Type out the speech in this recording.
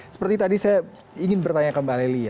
seperti tadi saya ingin bertanya kembali